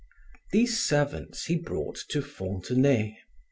These servants he brought to Fontenay.